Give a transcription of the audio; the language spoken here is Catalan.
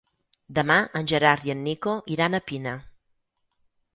Demà en Gerard i en Nico iran a Pina.